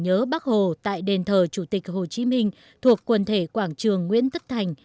nhớ bắc hồ tại đền thờ chủ tịch hồ chí minh thuộc quần thể quảng trường nguyễn tất thành